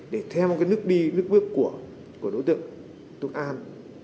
để theo cái nước đi nước bước của đối tượng túc an